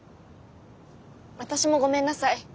私もごめんなさい。